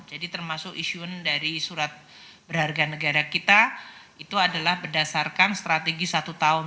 jadi termasuk isu dari surat berharga negara kita itu adalah berdasarkan strategi satu tahun